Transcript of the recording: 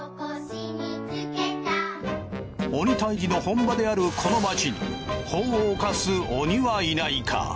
鬼退治の本場であるこの街に法を犯す鬼はいないか。